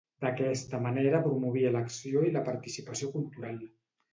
D’aquesta manera promovia l’acció i la participació cultural.